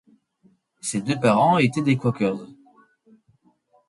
Ses deux parents étaient des Quakers.